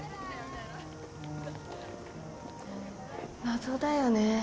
謎だよね